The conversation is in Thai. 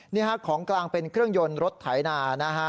นี่ครับของกลางเป็นเครื่องยนต์รถไถนา